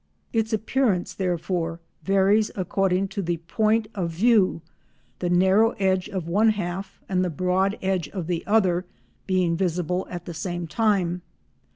Its appearance therefore varies according to the point of view, the narrow edge of one half and the broad edge of the other being visible at the same time.